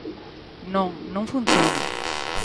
Non, non funciona.